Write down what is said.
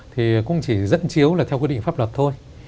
thì cũng chỉ dẫn chiếu là theo quy định pháp luật thôi